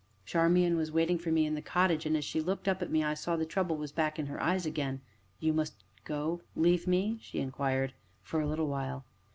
Charmian was waiting for me in the cottage, and, as she looked up at me, I saw the trouble was back in her eyes again. "You must go leave me?" she inquired. "For a little while."